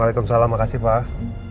waalaikumsalam makasih pak